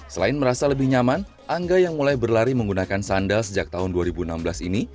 selain merasa lebih nyaman angga yang mulai berlari menggunakan sandal sejak tahun dua ribu enam belas ini